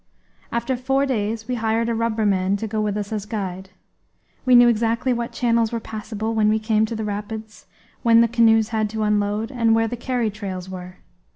After four days we hired a rubberman to go with us as guide. We knew exactly what channels were passable when we came to the rapids, when the canoes had to unload, and where the carry trails were.